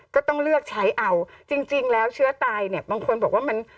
ก็ต้องเลือกใช้เอาจริงแล้วเชื้อตายเนี่ยบางคนบอกว่ามัน